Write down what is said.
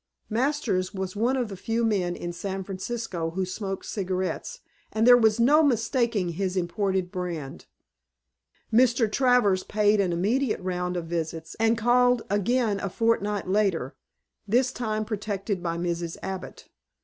Masters was one of the few men in San Francisco who smoked cigarettes and there was no mistaking his imported brand. Mr. Travers paid an immediate round of visits, and called again a fortnight later, this time protected by Mrs. Abbott.